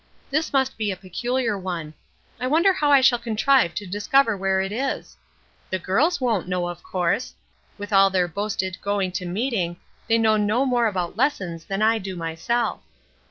This must be a peculiar one. I wonder how I shall contrive to discover where it is? The girls won't know, of course. With all their boasted going to meeting they know no more about lessons than I do myself.